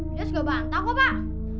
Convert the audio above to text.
midas nggak bantah kok pak